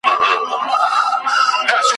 زموږ پر کور باندي نازل دومره لوی غم دی ,